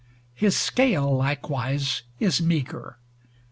His scale, likewise, is meagre.